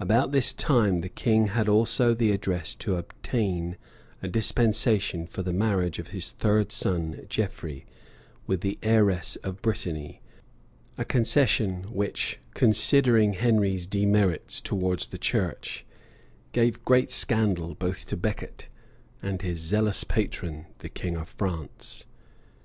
About this time, the king had also the address to obtain a dispensation for the marriage of his third son, Geoffrey, with the heiress of Brittany; a concession which, considering Henry's demerits towards the church, gave great scandal both to Becket, and to his zealous patron, the king of France.